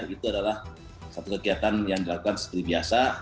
itu adalah satu kegiatan yang dilakukan seperti biasa